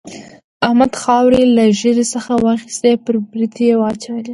احمد خاورې له ږيرې څخه واخيستې پر برېت يې واچولې.